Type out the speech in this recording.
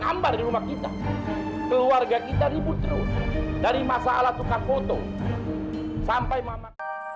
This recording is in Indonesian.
gambar di rumah kita keluarga kita ribut terus dari masalah tukang foto sampai mama